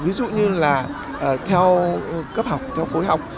ví dụ như là theo cấp học theo khối học